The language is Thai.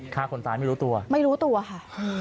ฆ่าคนตายไม่รู้ตัวเหรอครับไม่รู้ตัวค่ะ